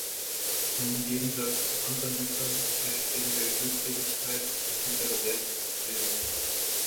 Im Gegensatz zu anderen Gütern erstreben wir Glückseligkeit um ihrer selbst willen.